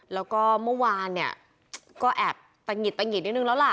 แล้วก็เมื่อวานเนี่ยก็แอบตะหิดตะหิดนิดนึงแล้วล่ะ